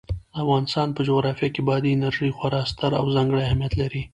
د افغانستان په جغرافیه کې بادي انرژي خورا ستر او ځانګړی اهمیت لري.